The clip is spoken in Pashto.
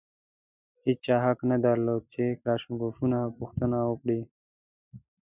هېچا حق نه درلود چې د کلاشینکوفونو پوښتنه وکړي.